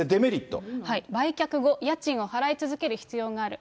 売却後、家賃を払い続ける必要がある。